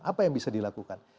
apa yang bisa dilakukan